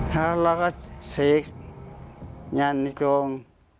เราต้องสีกหง่านด้านจูง